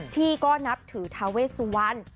ที่ก็นับถือทาเวสวัน